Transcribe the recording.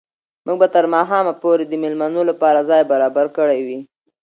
موږ به تر ماښامه پورې د مېلمنو لپاره ځای برابر کړی وي.